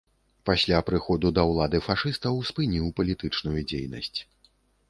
Пасля прыходу да ўлады фашыстаў спыніў палітычную дзейнасць.